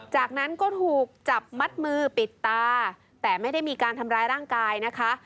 จากนั้นก็ถูกจับมัดมือปิดตาแต่ไม่ได้มีการทำร้ายร่างกายนะคะ